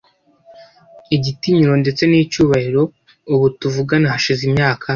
igitinyiro ndetse n’icyubahiro, ubu tuvugana hashize imyaka